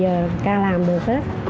giờ ca làm được hết